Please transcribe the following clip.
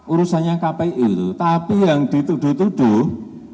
urusannya kpu itu tapi yang dituduh tuduh